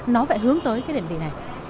nó phải hướng tới cái định vị này